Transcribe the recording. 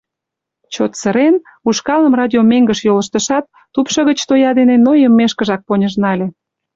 Чот сырен, ушкалым радио меҥгыш йолыштышат, тупшо гыч тоя дене нойымешкыжак поньыж нале.